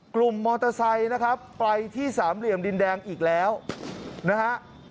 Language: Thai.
กลุ่มมอเตอร์ไซค์นะครับไปที่สามเหลี่ยมดินแดงอีกแล้วนะฮะ